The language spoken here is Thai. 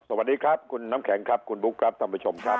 สวัสดีครับคุณน้ำแข็งครับคุณบุ๊คครับท่านผู้ชมครับ